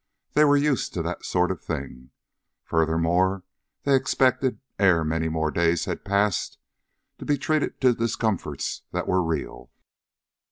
They were used to that sort of thing. Furthermore, they expected, ere many more days had passed, to be treated to discomforts that were real.